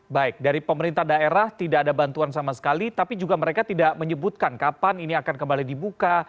baik dari pemerintah daerah tidak ada bantuan sama sekali tapi juga mereka tidak menyebutkan kapan ini akan kembali dibuka